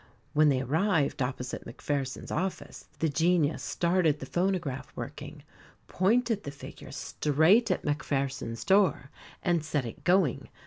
When they arrived opposite Macpherson's office, the Genius started the phonograph working, pointed the figure straight at Macpherson's door, and set it going.